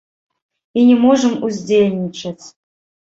І не можам уздзейнічаць.